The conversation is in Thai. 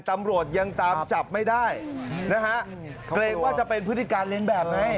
ตำรวจยังตามจับไม่ได้นะฮะเกรงว่าจะเป็นพฤติการเรียนแบบไง